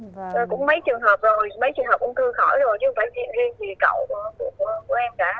rồi cũng mấy trường hợp rồi mấy trường hợp ung thư khỏi rồi chứ không phải vì cậu của em cả